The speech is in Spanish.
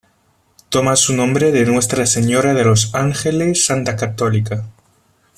Toma su nombre de nuestra Señora de Los Ángeles, santa católica.